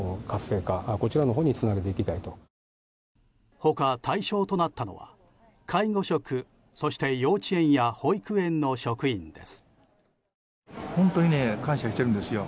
他対象となったのは介護職、そして幼稚園や保育園の職員です。